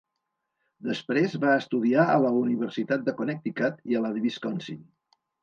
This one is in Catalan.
Després va estudiar a la Universitat de Connecticut i a la de Wisconsin.